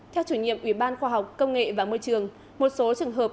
theo chủ nhiệm ủy ban khoa học công nghệ và môi trường một số trường hợp